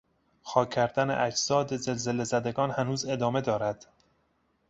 خاک کردن اجساد زلزلهزدگان هنوز ادامه دارد.